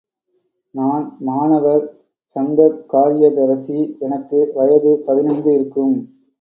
நான் மாணவர் சங்கக்காரியதரிசி, எனக்கு வயது பதினைந்து இருக்கும்.